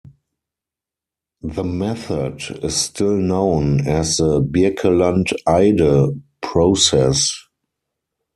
The method is still known as the Birkeland-Eyde process.